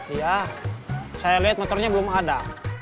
iya saya lihat motornya belum ada